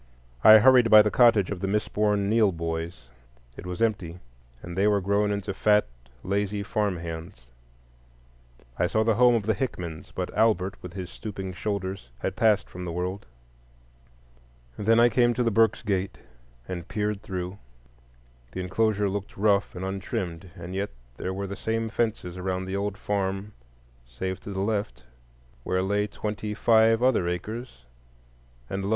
I hurried by the cottage of the misborn Neill boys. It was empty, and they were grown into fat, lazy farm hands. I saw the home of the Hickmans, but Albert, with his stooping shoulders, had passed from the world. Then I came to the Burkes' gate and peered through; the enclosure looked rough and untrimmed, and yet there were the same fences around the old farm save to the left, where lay twenty five other acres. And lo!